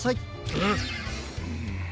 うん。